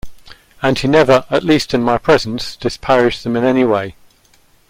And he never, at least in my presence, disparaged them in any way.